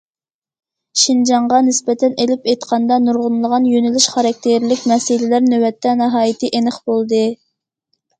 شىنجاڭغا نىسبەتەن ئېلىپ ئېيتقاندا، نۇرغۇنلىغان يۆنىلىش خاراكتېرلىك مەسىلىلەر نۆۋەتتە ناھايىتى ئېنىق بولدى.